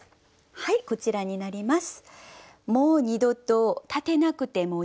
こちらになります。